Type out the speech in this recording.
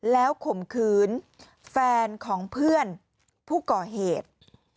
แล้วข่มขืนแฟนของเพื่อนผู้ก่อเหตุ